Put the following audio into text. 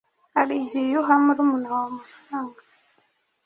hari igihe uha murumuna wawe amafaranga